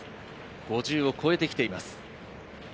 ５０を超えてきています。